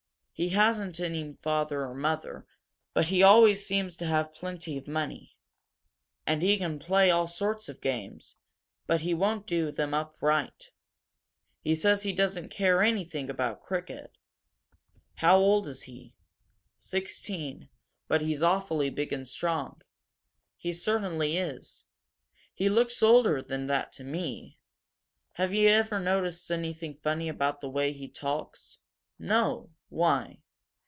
He hasn't any father or mother, but he always seems to have plenty of money. And he can play all sorts of games, but he won't do them up right. He says he doesn't care anything about cricket!" "How old is he?" "Sixteen, but he's awfully big and strong." "He certainly is. He looks older than that, to me. Have you ever noticed anything funny about the way he talks?" "No. Why?